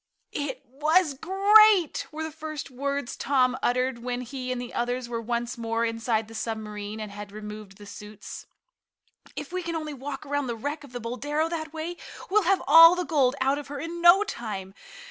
"It was great!" were the first words Tom uttered when he and the others were once more inside the submarine and had removed the suits. "If we can only walk around the wreck of the Boldero that way, we'll have all the gold out of her in no time.